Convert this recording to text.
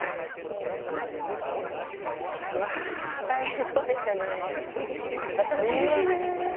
大変そうでしたね。